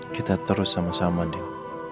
kita terus sama sama deh